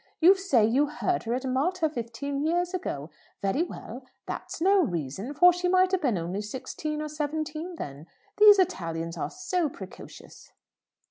You say you heard her at Malta fifteen years ago. Very well. That's no reason; for she might have been only sixteen or seventeen then. These Italians are so precocious."